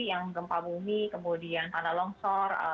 yang gempa bumi kemudian tanah longsor